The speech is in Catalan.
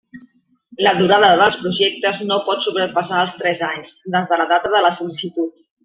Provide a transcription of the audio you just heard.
La durada dels projectes no pot sobrepassar els tres anys, des de la data de la sol·licitud.